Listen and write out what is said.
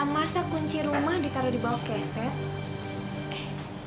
masak kunci rumah ditaruh di bawah keset